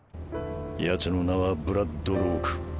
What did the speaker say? ヤツの名はブラッド・ローク。